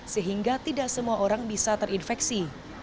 sehingga tidak semua orang bisa terinfeksi